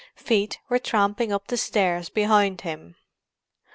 Feet were tramping up the stairs behind him.